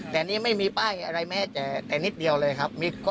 แต่นี่ไม่มีป้ายอะไรแม้แต่นิดเดียวเลยครับ